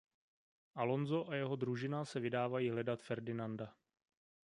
Alonso a jeho družina se vydávají hledat Ferdinanda.